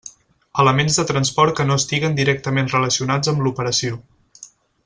Elements de transport que no estiguen directament relacionats amb l'operació.